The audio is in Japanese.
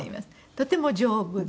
とても丈夫で。